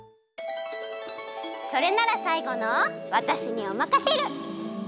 それならさいごのわたしにおまかシェル！